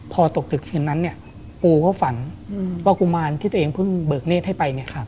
พอตกตึกที่นั้นปูก็ฝันว่ากุมารที่ตัวเองเพิ่งเบิกเนธให้ไป